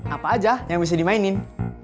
apa aja yang bisa dimainin